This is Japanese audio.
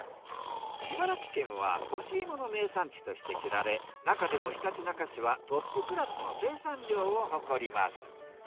茨城県は干し芋の名産地として知られなかでもひたちなか市はトップクラスの生産量を誇ります。